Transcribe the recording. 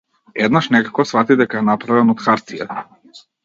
Еднаш некако сфати дека е направен од - хартија.